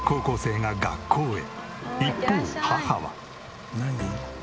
一方母は。